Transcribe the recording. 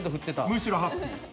むしろハッピー。